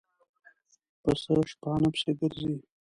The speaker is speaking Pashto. پسه شپانه پسې ګرځي.